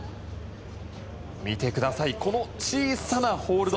見てくださいこの小さなホールド。